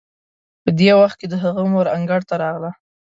په دې وخت کې د هغه مور انګړ ته راغله.